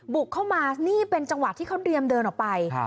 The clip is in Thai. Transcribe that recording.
บุกเข้ามานี่เป็นจังหวะที่เขาเตรียมเดินออกไป